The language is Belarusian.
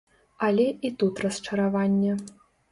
Але і тут расчараванне.